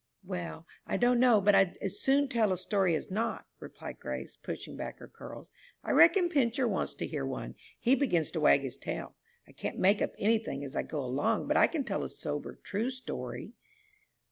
"Well, I don't know but I'd as soon tell a story as not," replied Grace, pushing back her curls; "I reckon Pincher wants to hear one, he begins to wag his tail. I can't make up any thing as I go along, but I can tell a sober, true story."